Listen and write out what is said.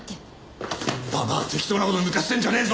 ババア適当な事をぬかしてんじゃねえぞ！